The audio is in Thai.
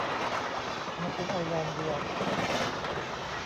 มันเป็นไอร์แลนด์เดียว